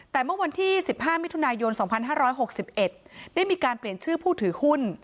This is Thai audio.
แต่เมื่อวันที่สิบห้ามิถุนายนสองพันห้าร้อยหกสิบเอ็ดได้มีการเปลี่ยนชื่อผู้ถือหุ้น